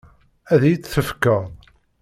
Ad iyi-tt-tefkeḍ?